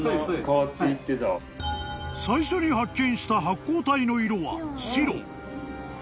［最初に発見した発光体の色は白］